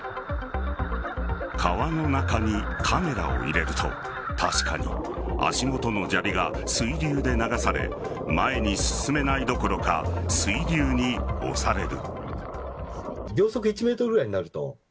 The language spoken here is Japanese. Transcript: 川の中にカメラを入れると確かに足元の砂利が水流で流され前に進めないどころか水流に押される。